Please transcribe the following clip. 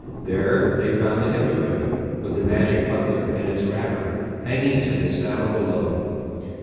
There they found the Hippogriff, with the magic buckler in its wrapper, hanging to his saddle bow.